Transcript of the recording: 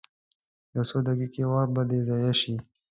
یو څو دقیقې وخت به دې ضایع شي.